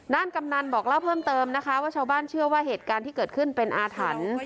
กำนันบอกเล่าเพิ่มเติมนะคะว่าชาวบ้านเชื่อว่าเหตุการณ์ที่เกิดขึ้นเป็นอาถรรพ์